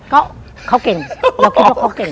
ก็เขาเก่งเราคิดว่าเขาเก่ง